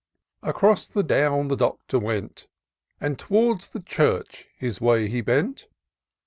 Across the Down the Doctor went, And towards the church his way he bent.